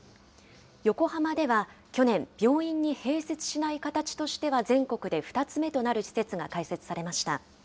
横浜では去年、病院に併設しない形としては全国で２つ目となる施設が開設されました。